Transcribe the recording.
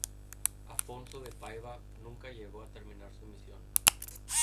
Afonso de Paiva nunca llegó a terminar su misión.